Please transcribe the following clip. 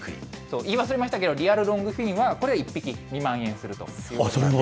言い忘れましたけど、リアルロングフィンは、これは１匹２万円するという感じで。